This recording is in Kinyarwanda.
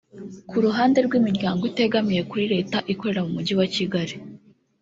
Ku ruhande rw’imiryango itegamiye kuri Leta ikorera mu mujyi wa Kigali